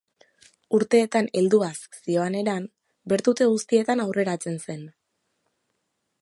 Urteetan helduaz zihoan eran, bertute guztietan aurreratzen zen.